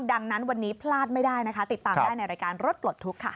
ดังนั้นวันนี้พลาดไม่ได้นะคะติดตามได้ในรายการรถปลดทุกข์ค่ะ